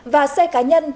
và xe cá nhân